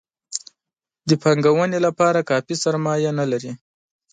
د پانګونې لپاره کافي سرمایه نه لري.